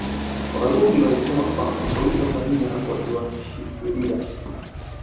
Warundi walisema kwamba polisi wa Tanzania waliwashikiria